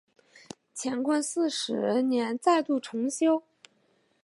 乾隆四十年再度重修。